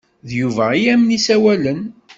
D Yuba i am-n-isawalen.